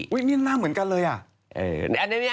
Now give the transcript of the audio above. นี่หน้าเหมือนกันเลยอ่ะ